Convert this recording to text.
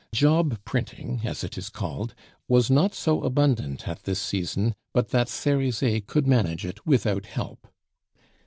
Job printing, as it is called, was not so abundant at this season but that Cerizet could manage it without help.